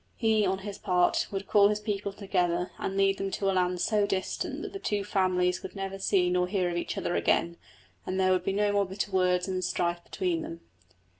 He, on his part, would call his people together and lead them to a land so distant that the two families would never see nor hear of each other again, and there would be no more bitter words and strife between them.